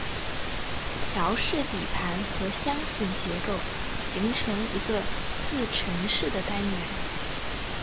桥式底盘和箱形结构形成一个自承式的单元。